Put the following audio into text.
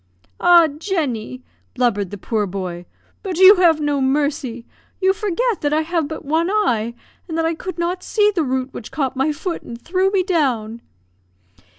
"Ah, Jenny!" blubbered the poor boy, "but you have no mercy. You forget that I have but one eye, and that I could not see the root which caught my foot and threw me down."